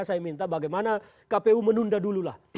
saya minta bagaimana kpu menunda dulu lah